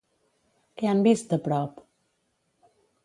Què han vist de prop?